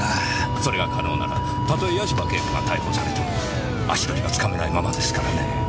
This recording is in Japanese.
それが可能なら例え八島景子が逮捕されても足取りはつかめないままですからねぇ。